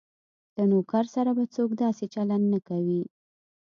له نوکر سره به څوک داسې چلند نه کوي.